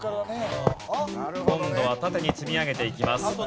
今度は縦に積み上げていきます。